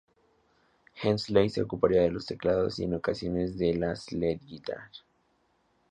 Hensley se ocuparía de los teclados, y en ocasiones de la slide guitar.